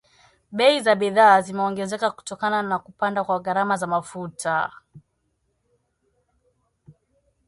Bei za bidhaa zimeongezeka kutokana na kupanda kwa gharama za mafuta